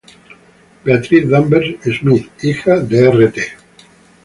Beatrice Danvers Smith, hija de Rt.